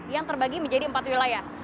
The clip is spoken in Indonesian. yang terbagi menjadi empat wilayah